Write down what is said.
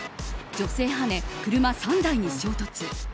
女性はね車３台に衝突。